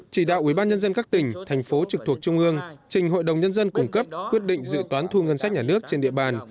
chỉ đạo ubnd các tỉnh thành phố trực thuộc trung ương trình hội đồng nhân dân cung cấp quyết định dự toán thu ngân sách nhà nước trên địa bàn